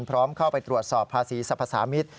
พร้อมเข้าไปตรวจสอบภาษีสรรพสามิตร